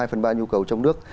hai phần ba nhu cầu trong nước